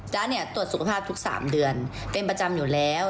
ตรวจสุขภาพทุก๓เดือนเป็นประจำอยู่แล้ว